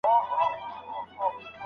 آیا ژوروالی تر لوړوالي خطرناک دی؟